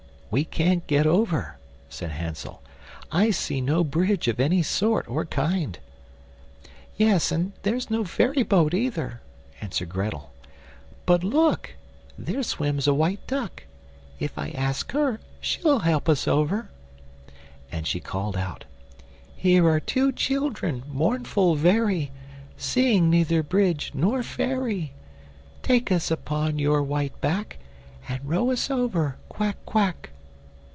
"We can't get over," said Hansel; "I see no bridge of any sort or kind." "Yes, and there's no ferry boat either," answered Grettel; "but look, there swims a white duck; if I ask her she'll help us over," and she called out: "Here are two children, mournful very, Seeing neither bridge nor ferry; Take us upon your white back, And row us over, quack, quack!"